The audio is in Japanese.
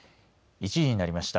１時になりました。